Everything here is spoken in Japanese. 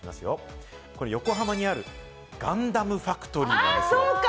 横浜にあるガンダムファクトリーです。